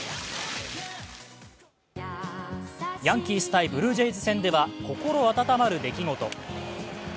ヤンキース対ブルージェイズ戦では心温まる出来事。